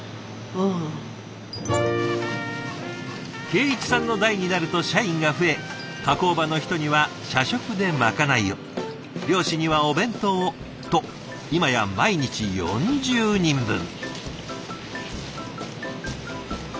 敬一さんの代になると社員が増え加工場の人には社食でまかないを漁師にはお弁当をと今や毎日４０人分。